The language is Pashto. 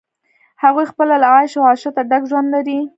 هغوی خپله له عیش و عشرته ډک ژوند لري.